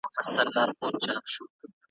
اوبه به را سي پکښي به ځغلي ,